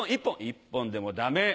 「１本でもダメ！」。